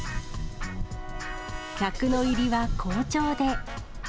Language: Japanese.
客の入りは好調で。